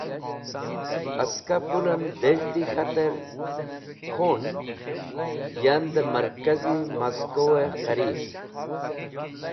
Aska pũlem dez̃hdi k̃hater khun yan dẽ markaz-e Moskow-e qarib.